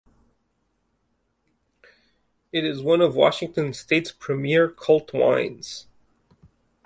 It is one of Washington state's premier cult wines.